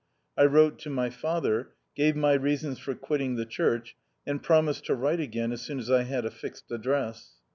I wrote to my father, gave my reasons for quitting the church, and promised to write again as soon as I had a fixed address.